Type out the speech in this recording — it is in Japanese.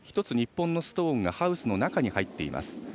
１つ、日本のストーンがハウスの中に入っています。